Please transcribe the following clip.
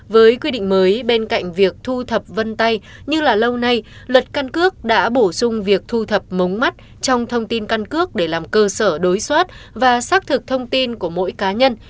với quy định mới bên cạnh việc thu thập vân tay như là lâu nay luật căn cước đã bổ sung việc thu thập mống mắt trong thông tin căn cước để làm cơ sở đối soát và xác thực thông tin của mỗi cá nhân